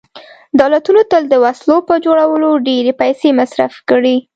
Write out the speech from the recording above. دولتونو تل د وسلو په جوړولو ډېرې پیسې مصرف کړي